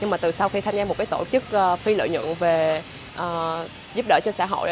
nhưng mà từ sau khi tham gia một cái tổ chức phi lợi nhuận về giúp đỡ cho xã hội